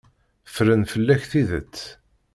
Ffren fell-ak tidet.